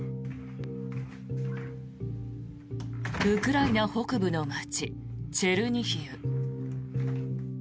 ウクライナ北部の街チェルニヒウ。